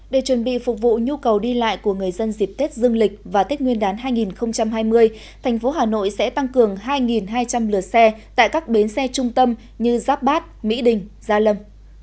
để chuẩn bị phục vụ nhu cầu đi lại của người dân dịp tết dương lịch và tết nguyên đán hai nghìn hai mươi thành phố hà nội sẽ tăng cường hai hai trăm linh lượt xe tại các bến xe trung tâm như giáp bát mỹ đình gia lâm